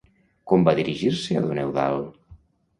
Com va dirigir-se a don Eudald?